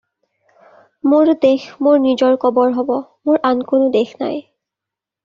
মোৰ দেশ মোৰ নিজৰ ক'বৰ হ'ব, মোৰ আন কোনো দেশ নাই।